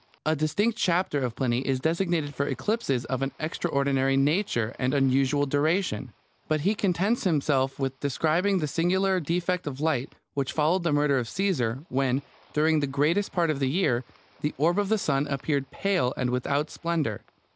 A distinct chapter of Pliny is designed for eclipses of an extraordinary nature and unusual duration; but he contents himself with describing the singular defect of light which followed the murder of Caesar, when, during the greatest part of the year, the orb of the sun appeared pale and without splendour.